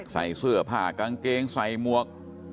ใส่เสื้อผ้ากางเกงใส่หมวก